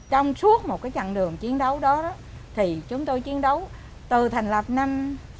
trong suốt một cái chặng đường chiến đấu đó thì chúng tôi chiến đấu từ thành lập năm sáu mươi năm